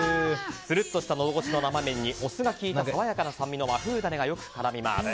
つるっとしたのど越しの麺に爽やかな酸味の和風ダレがよく絡みます。